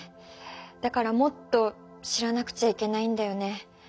だからもっと知らなくちゃいけないんだよね。